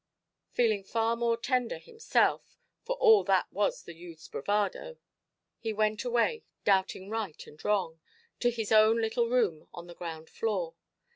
Feeling far more tender himself (for all that was the youthʼs bravado), he went away, doubting right and wrong, to his own little room on the ground floor.